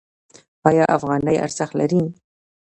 آیا افغانۍ ارزښت لري؟